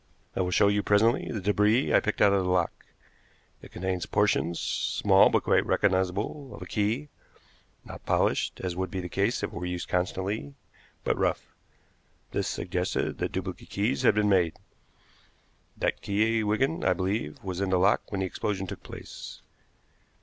I will show you presently the débris I picked out of the lock. It contains portions small, but quite recognizable of a key, not polished, as would be the case if used constantly, but rough. This suggested that duplicate keys had been made. That key, Wigan, I believe, was in the lock when the explosion took place.